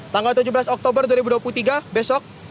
tanggal tujuh belas oktober dua ribu dua puluh tiga besok